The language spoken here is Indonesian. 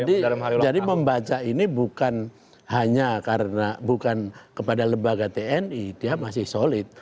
membaca ini bukan hanya karena bukan kepada lembaga tni dia masih solid